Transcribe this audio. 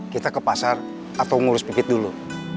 kita ke pasar atau ngurus bikit dulu